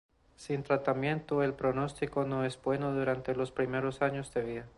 Sin tratamiento el pronóstico no es bueno durante los primeros años de vida.